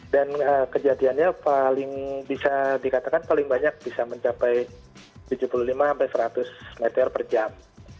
dan kejadiannya paling bisa dikatakan paling banyak bisa mencapai tujuh puluh lima seratus meteor per jam